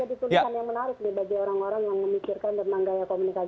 jadi itu yang menjadi tulisan yang menarik nih bagi orang orang yang memikirkan tentang gaya komunikasi